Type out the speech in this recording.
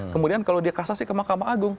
kemudian kalau dia kasasi ke mahkamah agung